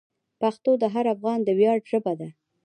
پښتو د هر افغان د ویاړ ژبه ده.